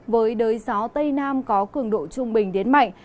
với đới gió tây nam có cường độ trung bình đến mạnh